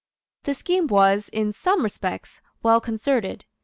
The scheme was, in some respects, well concerted.